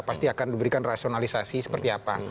pasti akan diberikan rasionalisasi seperti apa